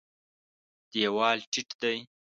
دېوال ټیټ دی.